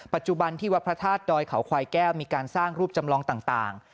ปัจจุบันที่วัดพระธาตุดอยเขาควายแก้วมีการสร้างรูปจำลองต่าง